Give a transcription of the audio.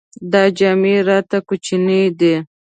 دا جامې راته کوچنۍ دي.